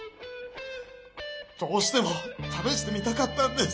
どうしてもためしてみたかったんです。